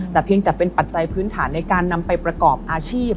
แต่เพียงแต่เป็นปัจจัยพื้นฐานในการนำไปประกอบอาชีพ